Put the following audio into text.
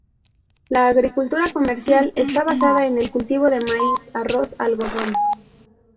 La agricultura comercial está basada en el cultivo de maíz, arroz, algodón.